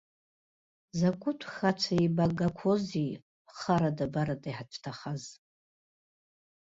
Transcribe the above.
Закәытә хацәа еибагақәоузеи харада-барада иҳацәҭахаз!